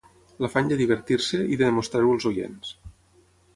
L'afany de divertir-se, i de demostrar-ho als oients